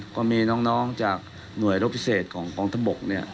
ก็มีน้องจากหน่วยรกพิเศษของกองทะบก